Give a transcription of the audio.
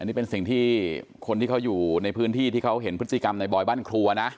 นี่เป็นสิ่งที่คนที่เขาอยู่ในพื้นที่ที่เขาเห็นพฤติกรรมในบอยบ้านครัวนะ